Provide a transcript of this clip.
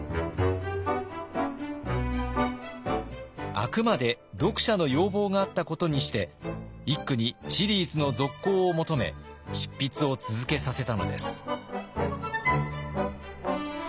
あくまで読者の要望があったことにして一九にシリーズの続行を求め執筆を続けさせたのです。